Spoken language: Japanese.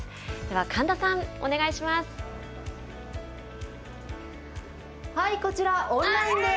神田さん、お願いします。